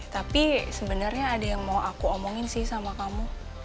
tapi sebenarnya ada yang mau aku omongin sih sama kamu